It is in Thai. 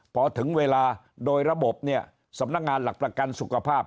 พอถึงเวลาโดยระบบเนี่ยสำนักงานหลักประกันสุขภาพ